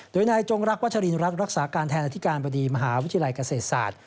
โดยนายจงรักวัชรินรักรักษาการแทนอธิการบดีมหาวิทยาลัยเกษตรศาสตร์